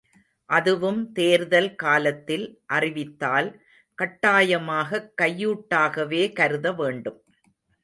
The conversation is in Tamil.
அதுவும் தேர்தல் காலத்தில் அறிவித்தால் கட்டாயமாகக் கையூட்டாகவே கருத வேண்டும்.